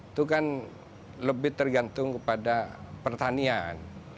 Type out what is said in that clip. itu kan lebih tergantung kepada pertanian